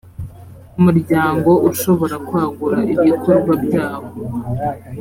umuryango ushobora kwagura ibikorwa byawo